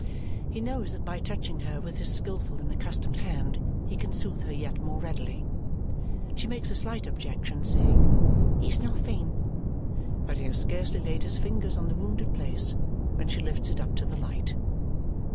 He knows that by touching her with his skilful and accustomed hand he can soothe her yet more readily. She makes a slight objection, saying, "It's nothing"; but he has scarcely laid his fingers on the wounded place when she lifts it up to the light.